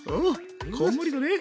こんもりだね。